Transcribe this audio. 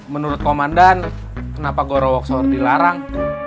menurut komandan kenapa gorowok sahur dilarang